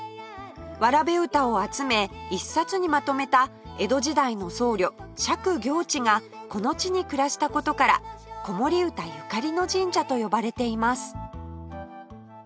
童歌を集め一冊にまとめた江戸時代の僧侶釈行智がこの地に暮らした事から子守唄ゆかりの神社と呼ばれています